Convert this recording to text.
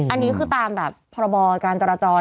อันนี้คือตามแบบพรบการจราจร